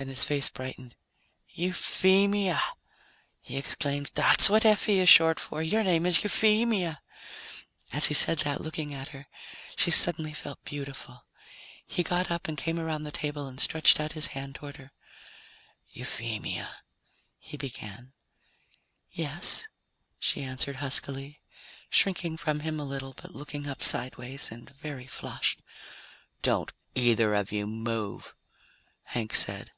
Then his face brightened. "Euphemia," he exclaimed. "That's what Effie is short for. Your name is Euphemia." As he said that, looking at her, she suddenly felt beautiful. He got up and came around the table and stretched out his hand toward her. "Euphemia " he began. "Yes?" she answered huskily, shrinking from him a little, but looking up sideways, and very flushed. "Don't either of you move," Hank said.